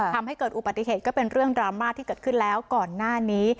ทำให้เกิดอุบัติเหตุก็เป็นเรื่องดราม่าที่เกิดขึ้นแล้วก่อนหน้านี้